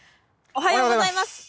おはようございます！